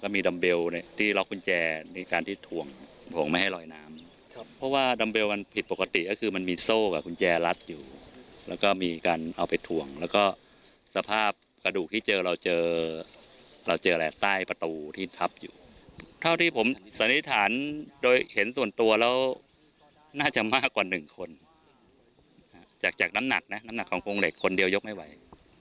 มันจะมากกว่าหนึ่งคนจากน้ำหนักนะน้ำหนักของโครงเหล็กคนเดียวยกไม่ไหว